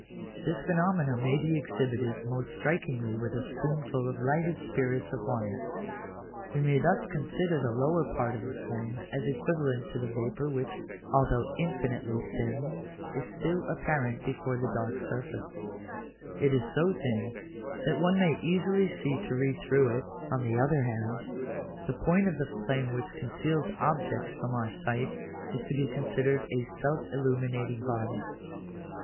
This phenomenon may be exhibited most strikingly with a spoonful of lighted spirits of wine. We may thus consider the lower part of the flame as equivalent to the vapour which, although infinitely thin, is still apparent before the dark surface; it is so thin, that one may easily see to read through it: on the other hand, the point of the flame which conceals objects from our sight is to be considered as a self illuminating body.